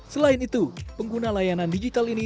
selain itu pengguna layanan digital ini